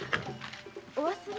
お忘れ？